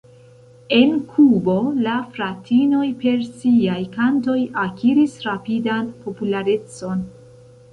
En Kubo la fratinoj per siaj kantoj akiris rapidan popularecon.